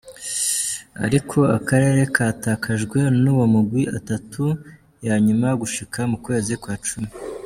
Ariko, akarere katakajwe n’uwo mugwi atatu ya nyuma gushika mu kwezi kwa cumi.